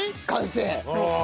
完成！